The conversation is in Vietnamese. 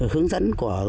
hướng dẫn của